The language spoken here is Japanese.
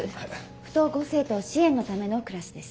不登校生徒支援のためのクラスです。